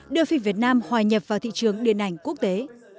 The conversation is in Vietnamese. đưa phim việt nam hòa nhập vào thị trường điện ảnh quốc tế